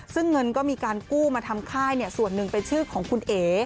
ซึ่งเงินก็มีการกู้มาทำค่ายส่วนหนึ่งเป็นชื่อของคุณเอ๋